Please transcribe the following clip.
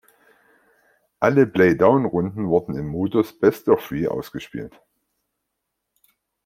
Alle Play-down-Runden wurden im Modus „Best of Three“ ausgespielt.